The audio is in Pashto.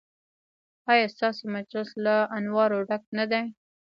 ایا ستاسو مجلس له انوارو ډک نه دی؟